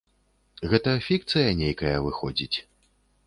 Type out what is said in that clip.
Гэта фікцыя нейкая выходзіць.